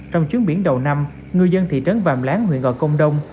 trong chuyến biển đầu năm ngư dân thị trấn vàm lán huyện gòi công đông